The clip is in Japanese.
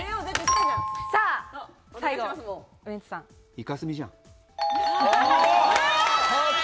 イカスミじゃん。